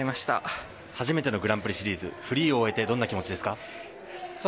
初めてのグランプリシリーズフリーを終えてどんな気持ちですか。